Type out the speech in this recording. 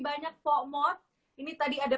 banyak pak mod ini tadi ada